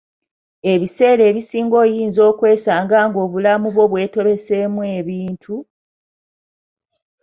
Ebiseera ebisinga oyinza okwesanga ng'obulamu bwo bwetobeseemu ebintu,